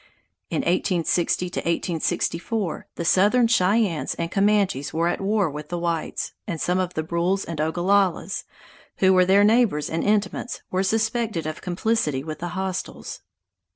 In 1860 1864 the Southern Cheyennes and Comanches were at war with the whites, and some of the Brules and Ogallalas, who were their neighbors and intimates, were suspected of complicity with the hostiles.